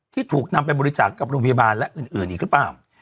ที่ถูกนำไปบริจาคกับโรงพยาบาลและอื่นอีกหรือเปล่า